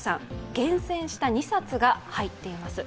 厳選した２冊が入っています。